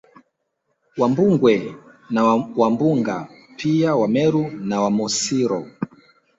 Wambugwe na Wambunga pia Wameru na Wamosiro